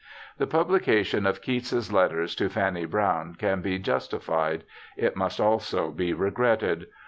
The publication of Keats's letters to Fanny Brawne can be justified ; it must also be regretted.